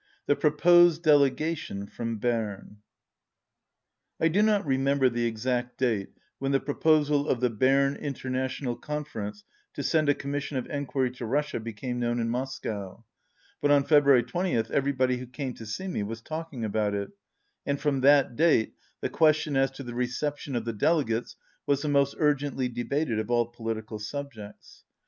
155 THE PROPOSED DELEGATION FROM BERNE I DO not remember the exact date when the pro posal of the Berne International Conference to send a Commission of Enquiry to Russia became known in Moscow, but on February 2oth every body who came to see me was talking about it, and from that date the question as to the reception of the delegates was the most urgently debated of all political subjects.